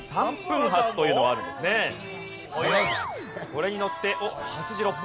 これに乗っておっ８時６分